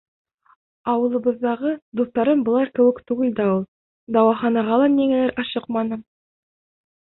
Ауылыбыҙҙағы дуҫтарым былар кеүек түгел дә ул. Дауаханаға ла ниңәлер ашыҡманың.